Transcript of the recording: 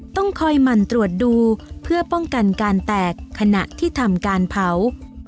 ต้องคอยหมั่นตรวจดูเพื่อป้องกันการแตกขณะที่ทำการเผา